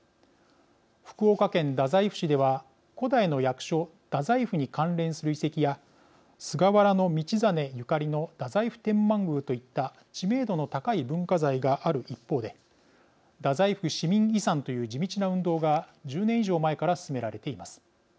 福岡県太宰府市では古代の役所、大宰府に関連する遺跡や菅原道真ゆかりの太宰府天満宮といった知名度の高い文化財がある一方で太宰府市民遺産という地道な運動が１０年以上前から進められています。